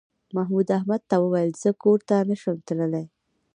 محمود احمد ته وویل زه کور ته نه شم تللی.